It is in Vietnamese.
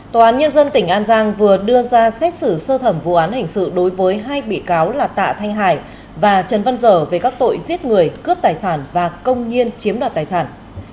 tòa án nhân dân tỉnh an giang vừa đưa ra xét xử sơ thẩm vụ án hình sự đối với hai bị cáo là tạ thanh hải và trần văn dở về các tội giết người cướp tài sản và công nhiên chiếm đoạt tài sản